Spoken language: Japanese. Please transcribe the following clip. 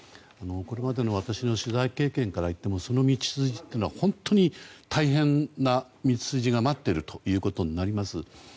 これまでの私の取材経験から言ってもその道筋、大変な道筋が待っていることになります。